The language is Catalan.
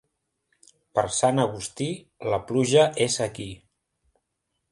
Per Sant Agustí, la pluja és aquí.